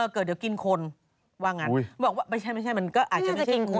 เกิดเดี๋ยวกินคนว่างั้นบอกว่าไม่ใช่ไม่ใช่มันก็อาจจะไม่ใช่คน